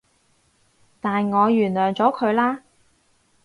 但我原諒咗佢喇